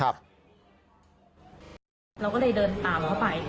เราก็เลยเดินตามเขาไป